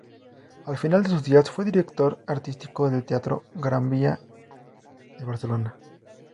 Al final de sus días fue director artístico del teatro Gran Vía de Barcelona.